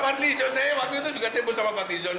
saya waktu itu juga terbuka sama fadli